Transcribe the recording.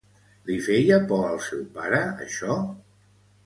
Li feia por al seu pare això?